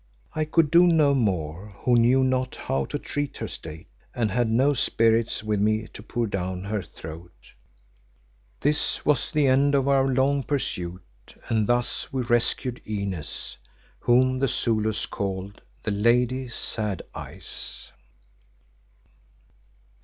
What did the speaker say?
I could do no more who knew not how to treat her state, and had no spirits with me to pour down her throat. This was the end of our long pursuit, and thus we rescued Inez, whom the Zulus called the Lady Sad Eyes.